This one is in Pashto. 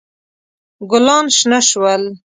ګلان شنه شول.